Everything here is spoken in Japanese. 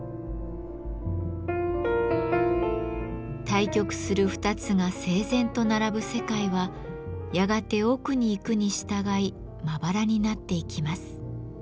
対極する２つが整然と並ぶ世界はやがて奥に行くに従いまばらになっていきます。